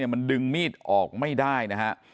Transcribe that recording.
มันดึงมีดออกไม่ได้นะฮะ